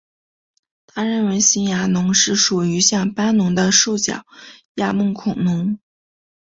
他认为新牙龙是属于像斑龙的兽脚亚目恐龙。